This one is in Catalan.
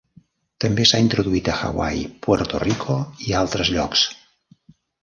També s'ha introduït a Hawaii, Puerto Rico i altres llocs.